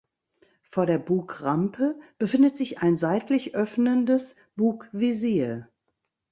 Vor der Bugrampe befindet sich ein seitlich öffnendes Bugvisier.